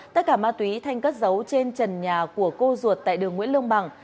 tất cả ma túy thanh cất giấu trên trần nhà của cô ruột tại đường nguyễn lương bằng